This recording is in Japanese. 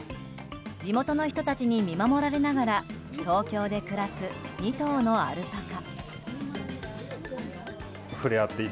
地元の人たちに見守られながら東京で暮らす２頭のアルパカ。